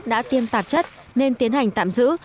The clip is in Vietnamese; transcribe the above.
đã tiêm tạp chất nên tiến hành tạm giữ